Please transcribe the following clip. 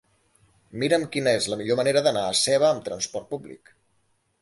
Mira'm quina és la millor manera d'anar a Seva amb trasport públic.